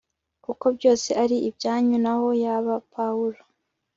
kuko byose ari ibyanyu naho yaba pawulo